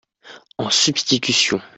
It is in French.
En substitution.